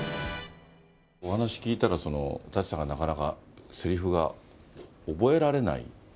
お話聞いたら、舘さんがなかなかせりふが覚えられない？